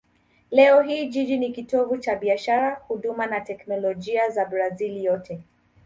Leo hii jiji ni kitovu cha biashara, huduma na teknolojia cha Brazil yote.